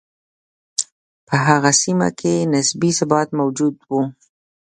په هغه سیمه کې نسبي ثبات موجود و.